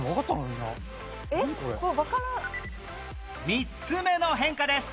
３つ目の変化です